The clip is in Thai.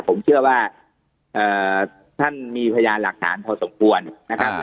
ผมเชื่อว่าเอ่อท่านมีพยายามหลักการพอสมควรนะครับอ่า